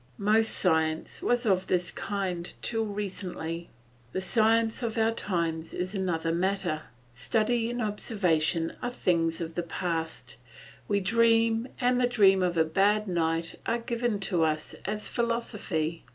Most science was of this kind till recently. The science of our times is another matter; study and observation are things of the past; we dream and the dreams of a bad night are given to us as philosophy.